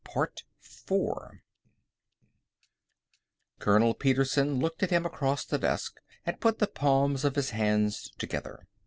Colonel Petersen looked at him across the desk and put the palms of his hands together.